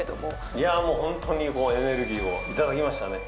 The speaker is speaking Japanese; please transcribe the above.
いやーもう、本当にエネルギーを頂きましたね。